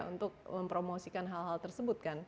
untuk mempromosikan hal hal tersebut kan